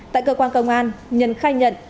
tại cơ quan công an nhân khai nhận